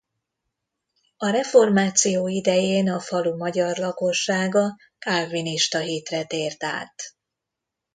A reformáció idején a falu magyar lakossága kálvinista hitre tért át.